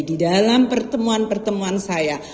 di dalam pertemuan pertemuan saya